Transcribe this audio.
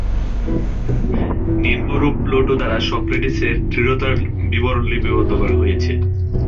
নিম্নরূপ প্লেটো দ্বারা সক্রেটিসের দৃঢ়তার বিবরণ লিপিবদ্ধ করা হয়েছে।